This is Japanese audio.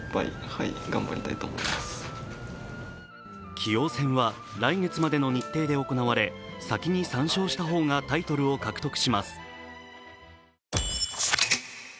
棋王戦は来月までの日程で行われ先に３勝した方がタイトルを獲得します。